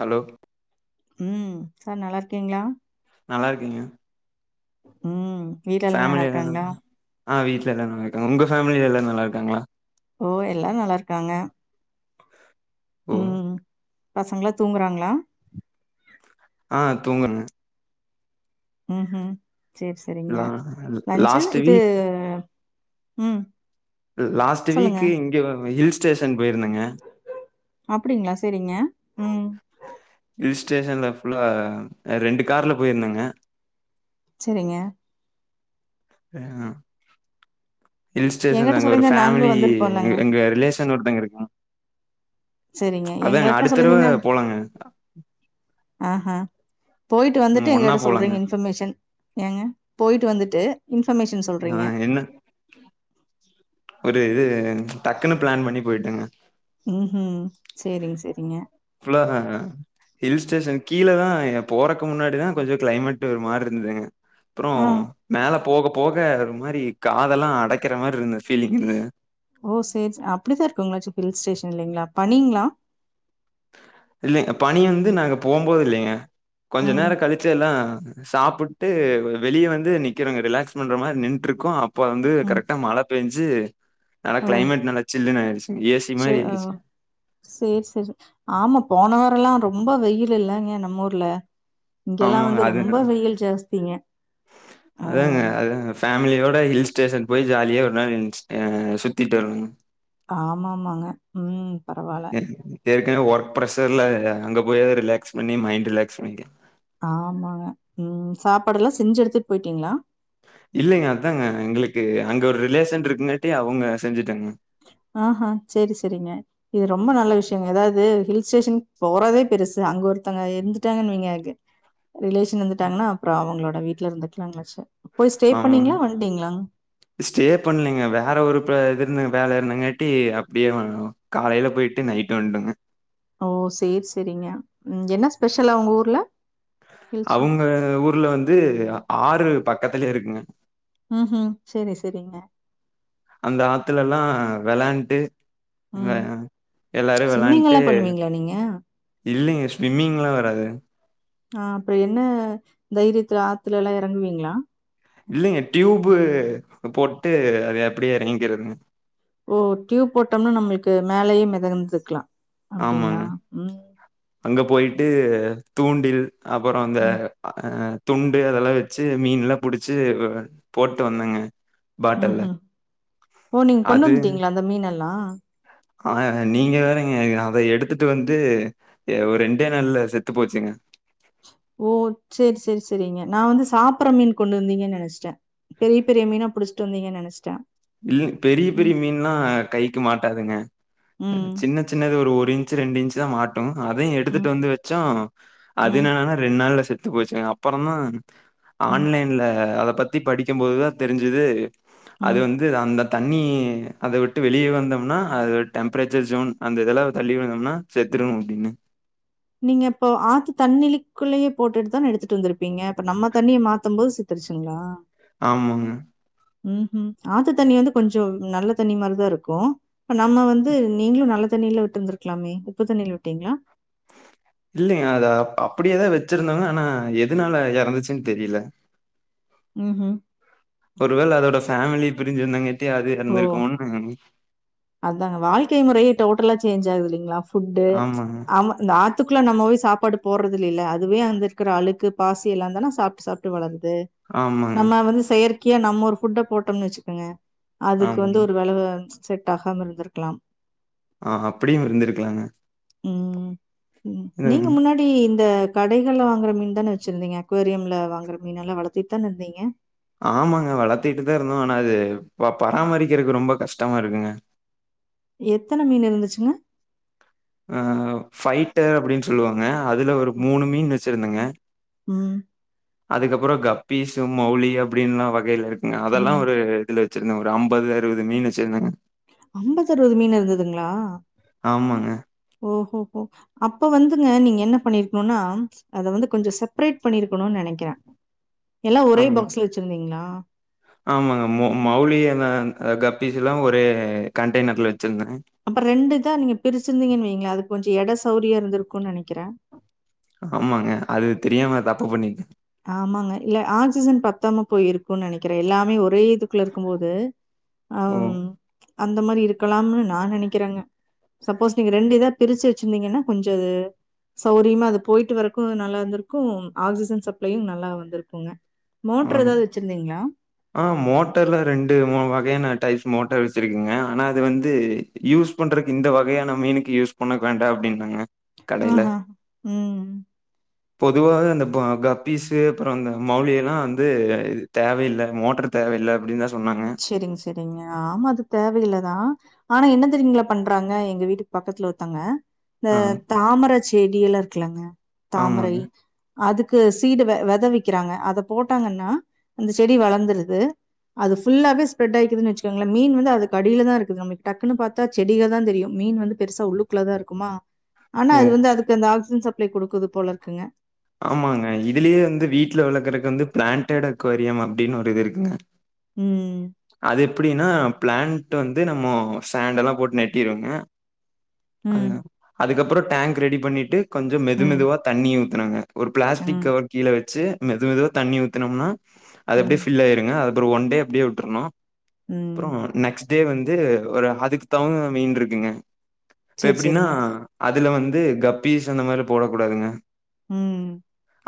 Hello ம் sir நல்லாருக்கீங்ளா நல்லாருக்கேங்க ம். வீட்ல எல்லாம் நல்லா ஃபேம்லி எல்லாரு இருக்காங்களா? ஆ வீட்ல எல்லா நல்லாருக்காங்க ஒங்க ஃபேம்லில எல்லாரு நல்லாருக்காங்ளா ஓ எல்லாரு நல்லாருக்காங்க ஓ ம் பசங்ளா தூங்குறாங்ளா ஆ தூங்கு ம் ஹும் சேர் சேரிங்க லா லஞ்சு லாஸ்ட் இது வீக் ம் லாஸ்ட்டு சொல்லுங்க. வீக்கு இங்க ஹில் ஸ்டேஷன் போய்ருந்தேங்க அப்டிங்ளா சேரிங்க ம் ஹில் ஸ்டேஷன்ல ஃபுல்லா ரெண்டு கார்ல போய்ருந்தேங்க செரிங்க ம் ஹில் ஸ்டேஷன்ல என்கிட்ட அங்க ஒரு சொல்லியிருந்தா நாங்களும் ஃபேமிலி வந்திருப்போம்லங்க. எங்க ரிலே ஷங்க ஒருத்தோங்க இருக்காங் சரிங்க. அதாங்க எங்கள்ட்ட அடுத்தடவ போலாங்க ஆ ஹா போய்ட்டு வந்துட்டு ஒன்னா எங்கிட்ட போலாங்க சொல்றீங்கங் இன்ஃபமேஷன் ஏங்க போய்ட்டு வந்துட்டு இன்ஃபமேஷன் ஆ சொல்றீங்க என்ன ஒரு இது டக்குன்னு ப்ளான் பண்ணி போய்ட்டேங்க ம் ஹும் சேரிங்க சேரிங்க ஃபுல்லாதாங்க ஹில் ஸ்டேஷன் கீழதா எ போறக்கு முன்னாடி தா கொஞ்சோ கிளைமேட் ஒரு மாரி இருந்துதுங்க அப்றோ ஆ. மேல போக போக ஒரு மாரி காதெல்லா அடைக்கிற மாரி இருந்து ஃபீலிங்கு ஓ சேர் சே அப்டிதா இருக்குங்ளா சிப் ஹில்ஸ்டேஷன் இல்லைங்களா பனீங்ளா இல்ல பனி வந்து நாங்க போம்போது இல்லைங்க கொஞ்சோ ம், நேரோ கழி ச்சு எல்லா சாப்புட்டு வெளிய வந்து நிக்கிறோங்க ரிலாக்ஸ் பண்ற மாரி நின்ட்ருக்கோ அப்ப வந்து ம். கரெக்டா மழ பேஞ்சு நல்லா ஓ! கிளைமேட் நல்லா சில்லுன்னு ஆய்டுச்சு சே ஆ சேர் சேரி ஆமா போன வாரோலா ரொம்ப வெயிலுலங்க நம்ம ஊர்ல இங்கெல்லா ஆமாங்க. வந்து அது ரொம்ப வெயில் ஜாஸ்திங்க ஆ [unintelligible] ஃபேமிலியோட ஹில் ஸ்டேஷன் போய் ஜாலியா ஒரு நாள் எஞ்சுட்ட சுத்திட் வருனுங்க ஆமாமாங்க ம் பரவால்ல ஏற்கனவே ஒர்க் ப்ரெஷர்ல அங்க போயாவது ரிலாக்ஸ் பண்ணி மைண்ட் ரிலாக்ஸ் பண்ணிட்ட ஆமாங்க ம் சாப்பாடுல்லா செஞ்சு எடுத்துட்டு போய்ட்டீங்ளா இல்லிங்க அதாங்க எங்களுக்கு அங்க ஒரு ரிலேஷன் இருக்குங்காட்டி அவுங்க செஞ்சுட்டாங்க ஆஹா சேரி சேரிங்க இது ரொம்ப நல்ல விஷயங்க அதாது ஹில் ஸ்டேஷன் போறதே பெருசு அங்க ஒருத்தங்க இருந்துட்டாங்கன் வய்ங்க ரிலேஷன் இருந்துட்டாங்கனா அப்றோ அவுங்களோட வீட்ல இருந்துக்கலாங்களாச்சு போய் ஸ்டே ஆமாங்க பண்ணீங்ளா வந்டீங்ளா ஸ்டே பண்லங்க வேற ஒரு ப இது இருந்து வேல இருந்துங்காட்டி அப்டியே வ காலைல போயிட்டு நைட்டு வந்ட்டங்க ஓ சேர் சேரிங்க என்ன ஸ்பெஷல் அவுங்க ஊர்ல ஹில்ஸ் அவுங்க ஊர்ல வந்து ஆறு பக்கத்துலயே இருக்குங்க ம் ஹும் செரி செரிங்க அந்த ஆத்துலலா வெளாண்ட்டு இங்க ம். எல்லாரு வெளாண்ட்டு ஸ்விம்மிங்லாம் பண்ணுவீங்களா நீங்க? இல்லிங்க ஸ்விம்மிங்லா வராது ஆ அப்றோ என்ன தைரியத்துல ஆத்துலலா எறங்குவீங்ளா இல்லிங்க டியூப்புபோட்டு அத அப்டியே எறங்கிக்கிறதுங்க ஓ டியூப் போட்டோனா நம்மளுக்கு மேலயே மிதந்துக்கலா ஆமாங்க அங்க போயிட்டு தூண்டில் அப்பற அந்த ம். அ துண்டு அதெல்லா வச்சு மீன் எல்லா புடிச்சு போட்டு வந்தங்க ம் ஹு ம் ஓ நீங்க கொண்டு வந்துட்டீங்களா அந்த மீன்னெல்லா ஆ நீங்க வேறங்க அத எடுத்துட்டு வந்து ஒரு ரெண்டே நாள்ல செத்து போச்சுங்க ஓ செரி செரி செரிங்க நா வந்து சாப்பற மீன் கொண்டு வந்தீங்கன் நெனைச்சிட்ட பெரிய பெரிய மீனா புடிச்சிட்டு வந்தீங்கன்னு நெனைச்சிட்ட இல் பெரிய பெரிய மீன்லா கைக்கு மாட்டாதுங்க ம். சின்ன சின்னது ஒரு இன்ச்சு ரெண்டு இன்ச்சுதா மாட் உட்டோம் அதையு ம். எடுத்துட்டு வந்து வச்சோ ம். அதுன்னானா ரெண்டு நாள்ல செத்து போச்சு ங்க அப்பறதா ம். ஆன்லைன்ல அத பத்தி படிக்குபோதுதா தெரிஞ்சது அது ம். வந்து இது அந்த தண்ணி அத விட்டு வெளிய வந்தோம்னா அது டெம்பரேச்சர் ஜோன் அந்த இதெல்லா தள்ளி வந்தோம்னா செத்ரு அப்டினு நீங்க இப்போ ஆத்து தண்ணிலிக்குள்ளயே போட்டுட்டு தான எடுத்துட்டு வந்திருப்பீங்க இப்ப நம்ம தண்ணிய மாத்து போது செ த்துருச்சுங்ளா ஆமாங்க உ ஹும் ஆத்து தண்ணி வந்து கொஞ்சோ நல்ல தண்ணி மாரிதாருக்கு நம்ம வந்து நீங்களு நல்ல தண்ணில விட்டுருக்கலாமே உப்பு தண்ணில விட்டீங்களா இல்லிங்க அத அப்டியேதா வச்சிருந்தாங்க ஆனா எதனால எறந்துச்சுன்னு தெரில உ ஒருவேள அதோட ஃபேமிலி பிரிஞ்சிருந்தாங்கிட்டே அது ஓ! இறந்திருக்கனு அதாங்க வாழ்க்கை முறையே டோட்டலா சேஞ்ச் ஆகுது இல்லைங்களா ஃபுட்டு ஆமாங்க, அந்த ஆத்துக்குள்ள நம்ம போய் சாப்பாடு போடுறது இல்லில்ல அதுவே அங்கிருக்கிற அழுக்கு பாசி எல்லா தான சாப்ட்டு சாப்ட்டு வளருது ஆமாங்க, நம்ம வந்து செயற்கையா நம்ம ஒரு ஃபுட்ட போட்டோம்னு வச்சுக்கோங்க அதுக்கு வந்து ஆமாங்க. ஒரு வளைவு செட் ஆகாம இருந்திருக்கலா ஆ அப்படியு இருந்திருக்கலாங்க என்னங்க எப்டி இந்த கடைகள்ல வாங்குற மீன் தானே வச்சிருந்தீங்க அக்வேரியம்ல வாங்குற மீன் எல்லா வளர்த்திட்டு தானே இருந்தீங்க ஆமாங்க அது வளர்த்துட்டுதா இருந்தோ ஆனா அது பராமரிக்கிறதுக்கு ரொம்ப கஷ்டமா இருக்குங்க எத்தன மீன் இருந்துச்சுங்க அ ஃபைட்டர் அப்படின்னு சொல்லுவாங்க அதுல ஒரு மூணு மீன் வச்சிருந்தேங்க உ அதுக்கப்புறோ கப்பீசு மௌலி அப்படின்னுல்லா வகையில இருக்குங்க அதெல்லா ம். ஒரு இதுல வ வச்சிருந்த ஒரு ஐம்பது அறுபது மீன் வச்சிருந்தேங்க ஐம்பது அறுபது மீன் இருந்ததுங்களா ஆமாங்க. ஓஹோஹோ அப்ப வந்துங்க நீங்க என்ன பண்ணிருக்கணும்னா அத வந்து கொஞ்சோ செப்பரேட் பண்ணிருக்கணும்னு நினைக்கிறே எல்லா ஒரே ஆமா. பாக்ஸ்ல வச்சிருந்தீங்களா ஆமாங்க மௌலி கப்பிஸ் எல்லா ஒரே கண்டெய்னர்ல வச்சிருந்தேங்க அப்புறோ ரெண்டு இதா நீங்க பிரிச்சிருந்தங்கன்னு வைங்கள அது கொஞ்சோ இட சௌரியோ இருந்திருக்கும்ன்னு நினைக்கிறே ஆமாங்க அது தெரியாம தப்பு பண்ணிட்டே ஆமாங்க இல்ல ஆக்சிஜன் பத்தாம போய இருக்கும்னு நினைக்கிறே எல்லாமே ஒரே இதுக்குள்ள இருக்குபோது ஓ! அஹ் அந்த மாரி இருக்கலாம்னு நா நினைக்கிறேங்க சப்போஸ் நீங்க ரெண்டு இதா பிரிச்சு வச்சிருந்தீங்கன்னா கொஞ்சோ அது சௌரியமா அது போயிட்டு வறக்கு நல்லா இருந்துருக்கு ஆக்சிஜன் சப் ப்ளெயின் நல்லா வந்திருக்குங்க ஆ. மோட்டர் ஏதாவது வச்சிருந்தீங்களா ஆ மோட்டர்ல ரெண்டு முணு வகையான டைப்ஸ் மோட்டர் வச்சிருக்குங்க ஆனால் அது வந்து யூஸ் பண்றதுக்கு இந்த வகையான மீனுக்கு யூஸ் பண்ண வேண்டா அப்படின்னாங்க ஆ ஹா உ பொதுவாவே அந்த கப்பிஸு அப்புறோ அந்த மௌலிய எல்லா வந்து இது தேவையில்லை மோட்டர் தேவையில்லை அப்படின்னு தா சொன்னாங்க சேரிங் சேரிங்க ஆமா அது தேவையில்லதா ஆனா என்ன தெரியீங்களா பண்றாங்க எங்க வீட்டுக் பக்கத்துல ஒருத்தங்க இந்த ஆ தாமர செடில்லா இருக்குல்லா தாமரை ஆமாங்க. அதுக்கு சீடு வெதவிக்கிறாங்க அத போட்டாங்கன்னா அந்த செடி வளர்ந்துருது அது ஃபுல்லாவே ஸ்பரட் ஆய்க்குதுன்னு வச்சுக்கங்களே மீன் வந்து அதுக் அடிலதா இருக்குது நமக்கு டக்குனு பாத்தா செடிங்க தா தெரியு மீன் வந்து பெருசா உள்ளுக் க்லதா இருக்குமா ஆனா ஓ! அது வந்து அதுக்கு அந்த ஆக்சிஜன் சப்ளை குடுக்குது போல இருக்குங்க ஆமாங்க இதுலியே வந்து வீட்ல வளக்குறுக் வந்து பிலான்ண்டட் அக்கோரியம் அப்படின்னு ஒரு இது இருக்குங்க உ அது எப்படின்னா பிளான்ட் வந்து நம்மோ சேண்டல்லா போட்டு நெட்டிருவங்க அ ம். அதுக்கப்புறோ டேங்க் ரெடி பண்ணிட்டு கொஞ்சோ மெது ம். மெதுவா தண்ணி ஊத்துனாங்க ஒரு ப்ளாஸ்டிக் ம். கவர் கீழ வச்சு மெது மெதுவா தண்ணி ஊத்துனோம்னா அது அப்டியே ம். ஃபில் ஆயிருங்க அத ஒரு ஒன் டே அப்டியே விட்ரனு அப்றோ ம். நெக்ஸ் இதே வந்து ஒரு அதுக்கு தவங்க மீன் இருக்குங்க இப்ப சரி, எப்டின்னா சரிங்க. அதுல வந்து கப்பீஸ் அந்த மாரிலா போடக் கூடாதுங்க ம்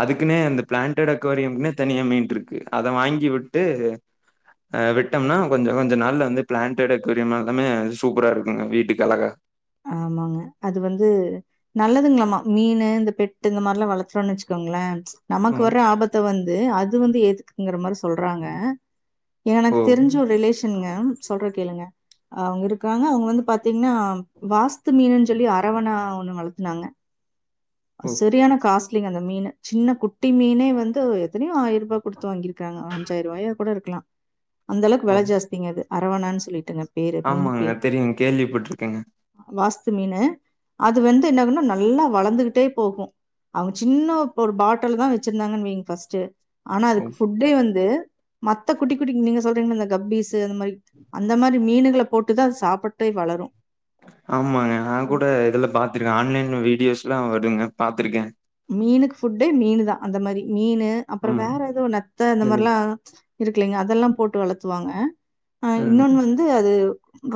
அதுக்குனே அந்த பிளான்டேட் அக்வேரியம்க்குனே தனியா மீன் இருக்கு அத வாங்கி விட்டு ஆ விட்டம்னா கொஞ்ச கொஞ்ச நாள்ல வந்து பிளான்டேட் அக்வோரியம் எல்லாமே சூப்பரா இருக்குங்க வீட்டுக்கு அழகா ஆமாங்க அது வந்து நல்லதுங்களாமா மீனு இந்த பெட்டு இந்த மாரிலா வளத்துறோன்னு வச்சுக்கோங்களே நமக்கு ம். வர்ற ஆபத்த வந்து அது வந்து ஏத்துக்குங்கிற மாரி சொல்றாங்க எனக்கு ஓ! தெரிஞ்ச ஒரு ரிலேஷன்ங்க சொல்றத கேளுங்க அவங்க இருக்காங்க அவங்க வந்து பாத்தீங்கன்னா வாஸ்து மீனுன்னு சொல்லி அரவணா ஒன்னு வளத்துனாங்க ஓ! அது சரியான காஸ் ட்லிங்க அந்த மீனு சின்ன குட்டி மீனே வந்து எத்தனையோ ஆயிர் ரூபா குடுத்து வாங்கிருக்காங்க அஞ்சாய்ரூபாயா கூட இருக்கலா அந்த அளவுக்கு ஓ! வெல ஜாஸ்திங்க அது அரவானான்னு சொல்லிட்டுங்க பேரு. மீன் ஆமாங்க பேரு. எனக்கு தெரியு கேள்விப்பட்ருக்கேங்க வாஸ்து மீனு அது வந்து என்னாகுன்னா நல்லா வளந்துகிட் டே போகு அவங்க சின்ன ஒரு பாட்டல்லதா வச்சிருந்தாங்கன்னு வைங்க ஃபர்ஸ்ட்டு ஆனா ஓ! அதுக்கு ஃபுட் டே வந்து மத்த குட்டி குட்டி நீங்க சொல்றீங்கல்ல இந்த கப்பீஸு அந்த மாரி அந்த மாரி மீனுகள போட்டுதா அது சாப்புட்டே வளரு ஆமாங்க நா கூட இதுல்ல பாத்துருக்கே ஆன்லைன்ல வீடியோஸ்ல்லா வருங்க பா்த்துருக்கே மீனுக்கு ஃபுட்டே மீனு தா அந்த மாரி மீனு அப்றோ ஆமாங்க. வேற ஏதோ நத்த இந்த இது மாரில்லா இருக்குல்லைங்க அதெல்லா போட்டு வளத்துவாங்க ஆ ம். இன்னொன்னு வந்து அது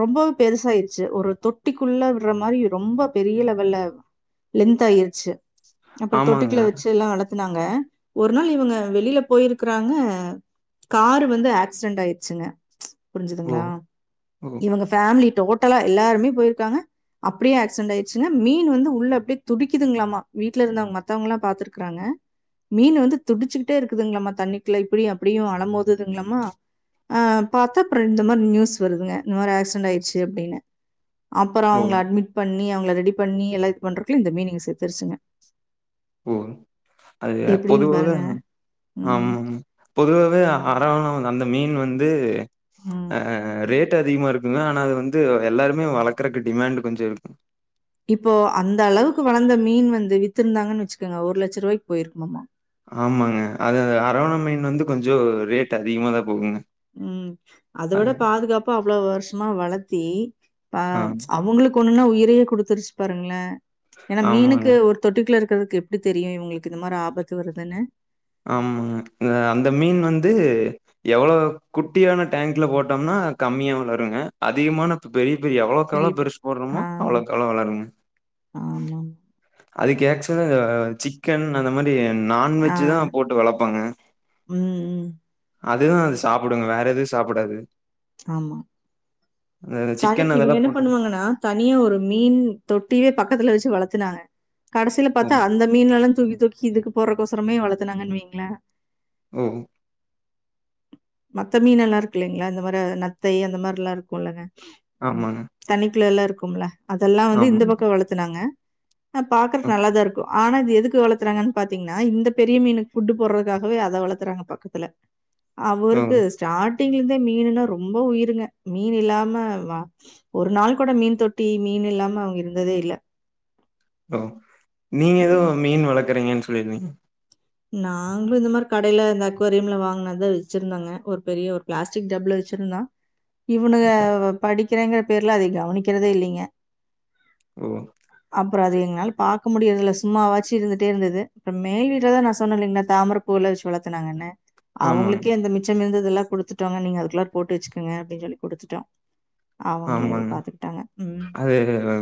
ரொம்ப பெருசாயிருச்சு ஒரு தொட்டிக்குள்ள விட்ற மாரி ரொம்ப பெரிய லெவல்ல லென்த் ஆயிர்ச்சு அப்றோ ஆமாங்க. தொட்டுக்குள்ள வச்சுல்லா வளத்துனாங்க ஒரு நாள் இவங்க வெளில போயிருக்குறாங்க கார் வந்து ஆக்சிடென்ட் ஆயிருச்சுங்க ஓ! புரிஞ்சுதுங்களா ஓ! இவங்க ஃபேமிலி டோட்டலா எல்லாருமே போயிருக்காங்க அப்டியே ஆக்சிடென்ட் ஆயிடுச்சுங்க மீன் வந்து உள்ள அப்டியே துடிக்குதுங்களாமா வீட் ல இருந்தவங்க மத்தவங்கல்லா பாத்துருக்குறாங்க மீன் வந்து துடிச்சுக்கிட்டே இருக்குதுங்களாமா தண்ணிக்குள்ள இப்டியு அப்டியு அலமோதுங்களாமா ஆ பாத்தா அப்றோ இந்த மாரி நியூஸ் வருதுங்க இந்த மாரி ஆக்சிடென்ட் ஆயிருச்சி அப்டின்னு அப்பறோ ஓ! அவங்கள அட்மிட் பண்ணி அவங்கள ரெடி பண்ணி எல்லா இது பண்றதுக்குள்ள இந்த மீன் இங்க செத்துருச்சுங்க ஓ அது எப்படின்னு பொதுவாதா பாருங்க. ம். ஆமாங்கம்மா பொதுவாவே அரவணா அந்த மீன் வந்து ம். ஆ ரேட் டு அதிகமா இருக்குங்க ஆனா அத வந்து எல்லாருமே வளக்குறக்கு டிமாண்ட் கொஞ்சோ இருக்கு இப்போ அந்த அளவுக்கு வளந்த மீன் வந்து வித்திருந்தாங்கன்னு வச்சுக்குங்க ஒரு லட்ச ருவாய்க்கு போயிருக்குமாமா ஆமாங்க அது அந்த அரவணா மீன் வந்து கொஞ்சோ ரேட் அதிகமாதா போகுங்க ம் அத அ விட பாதுகாப்பா அவ்ளவு வருஷமா வளத்தி இப்ப ஆ அவங்களுக் ஒண்ணுன்னா உயிரையே குடுத்துருச்சு பாருங்களே ஏன்னா ஆமாங்க, மீனுக்கு ஒரு தொட்டிக்குள்ள இருக்குறதுக்கு எப்டி தெரியு இவங்களுக்கு இந்த மாரி ஆபத்து வருதுன்னு ஆமாங்க இந்த அந்த மீன் வந்து எவ்ளோ குட்டியான டேங்க்ல போட்டம்னா கம்மியா வளருங்க அதிகமான பெரிய பெரிய எவ்வளோக்கெவளோ பெருசு போடுறமோ அவ்வளோக்கவள வளருங்க ஆமாங்க அதுக்கு ஏக்சுவா சீ சிக்கன் அந்த மாரி ஆ. நான்வெஜ் தா போட்டு வளப்பாங்க ம். ம், அதுதா அது சாப்புடுங்க வேற எது சாப்டாது ஆமா தனிக்கு சிக்கன் இவங்க அதெல்லாம் என்ன போட்டு பண்ணுவாங்கன்னா தனியா ஒரு மீன் தொட்டியே பக்கத்துல வச்சு வளத்துனாங்க கடைசில ஓ! பாத்தா அந்தம் மீனல்லா தூக்கி தூக்கி இதுக்கு போறக்கொசரமே வளத்தனாங்கனு வைங்கள ம் மத்த மீனல்லா இருக்கு இல்லங்களா இந்த மாரி நத்தை அந்த மாரி லா இருக்கு இல்லங்க ஆமாங்க தன்னிக்குள்ள எல்லா இருக்கும்ல அதல்லா வந்து இந்த ஆமாங்க. பக்க வளத்துனாங்க அ பாக்குறது நல்லாதா இருக்கு ஆனா இது எதுக்கு வளத்தறங்கன் பாத்தீங்கன்னா இந்த பெரிய மீனுக் ஃபுட்டு போடுறதுக்காகவே அத வளத்துறாங்க பக்கத்துல ஓ அவுருக்கு ஸ்டார்ட்டிங்கல இருந்தே மீனுன்னா ரொம்ப உயிருங்க மீனு இல்லாம வ ஒரு நாள் கூட மீன் தொட்டி மீன் இல்லாம அவுங்கள் ஓ நீங்க ஏதோ ம். மீன் வளக்குறீங்கன்னு சொல்லிருந்தீங்க நாங்களு இந்த மாரி கடைல இந்த அக்வாரியம்ல வாங்கின தா வச்சிருந்தங்க ஒரு பெரிய ஒரு ப்ளாஸ்டிக் டஃப்புல வச்சிருந்தா இவனுங்க படிக்கிறங்கிற பேர்ல அத கவனிக்கிறதே இல்லிங்க ஓ அப்பற அது எங்கனால பாக்க முடியறதுல்ல சும்மாவாச்சு இருந்துட்டே இருந்தது இப்ப மேல் வீட்ல தா நா சொ சொன்ன இல்லங்களா தாமரப் பூல வச்சு வளர்த்துனாங்கனு ஆமாங்க, அவங்களுக்கே அந்தமிச் சம் இருந்ததல்ல குடுத்துட்டோங்க நீங்க அதுக்குள்ளல்லார போட்டுவச்சுகங்க அப்டின்னு சொல்லி குடுத்துட்டோ அவங்களே இத ஆமாங்க. பாத்துக்கிட்டாங்க அது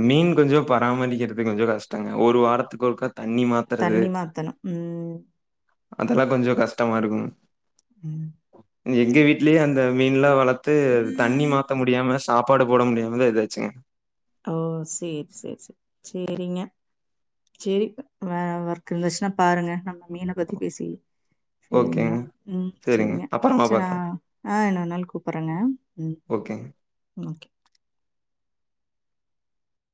மீன் கொஞ்சோ பராமரிக்கிறது கொஞ்சோ கஷ்டங்க ஒரு வாரத்துக்கு ஒருக்கா தண்ணி மாத்தறது தண்ணி மாத்தணு ம் அதல்லா கொஞ்சோ கஷ்டமா இருக்குங் ம் எங்க வீட்லயே அந்த மீனல்லா வளத்து தண்ணி மாத்த முடியாம சாப்பாடு போட முடியாமா தா இதாச்சுங்க ஓ சேரி சேரி சேரி சேரிங்க சேரி வே வொர்க் இருந்தச்சுனா பாருங்க நம்ம மீன பத்தி பேசி சேரிங்கனா ஓகேங்க. ம் சரிங்க. சேரிங்க அப்புறமா பாக்கலாம். ஆ இன்னொரு நாள் கூப்புறங்க ம் ஓகேங் ஓகே